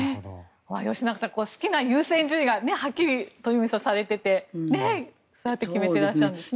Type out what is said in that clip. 吉永さん、鳥海さんは好きな優先順位がはっきりされていてそうやって決めてらっしゃるんですね。